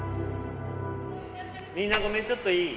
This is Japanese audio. みんなごめんちょっといい？